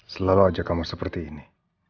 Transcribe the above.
selalu ajak kamu seperti ini